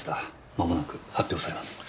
間もなく発表されます。